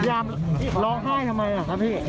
ร้องไห้ทำไมครับพี่